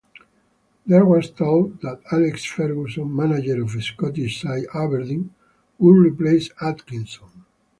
There was talk that Alex Ferguson, manager of Scottish side Aberdeen, would replace Atkinson.